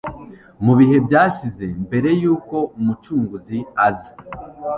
Mu bihe byashize mbere yuko Umucunguzi aza,